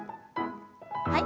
はい。